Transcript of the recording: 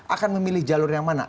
akan memilih jalur yang mana